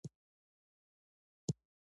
هغه ورغله.